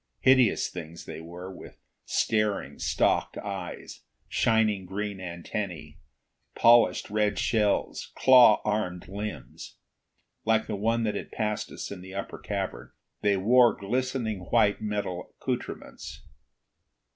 Hideous things they were, with staring, stalked eyes, shining green antennae, polished red shells, claw armed limbs. Like the one that had passed us in the upper cavern, they wore glistening white metal accoutrements.